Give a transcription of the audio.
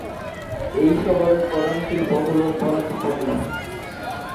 এই শহরের প্রধান শিল্প হলো বনজ পণ্য।